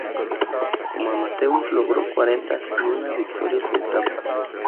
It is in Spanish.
Como amateur logró cuarenta y una victorias de etapa.